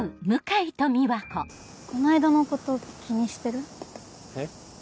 この間のこと気にしてる？え？